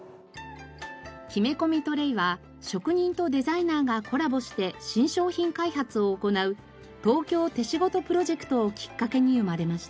木目込みトレイは職人とデザイナーがコラボして新商品開発を行う「東京手仕事」プロジェクトをきっかけに生まれました。